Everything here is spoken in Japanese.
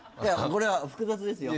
これは複雑ですよ。